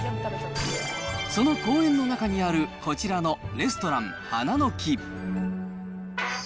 その公園の中にある、こちらのレストラン花の木。